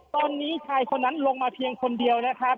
ตอนนี้ชายแบบกับคนดังกล้าวลงมาเพียงคนเดียว